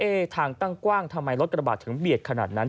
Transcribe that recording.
ทางตั้งกว้างทำไมรถกระบาดถึงเบียดขนาดนั้น